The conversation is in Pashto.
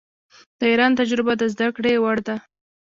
د ایران تجربه د زده کړې وړ ده.